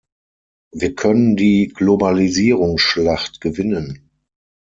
Wir können die Globalisierungsschlacht gewinnen.